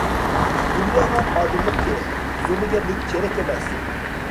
دۇنياغا ئادىللىق كېرەك، زومىگەرلىك كېرەك ئەمەس.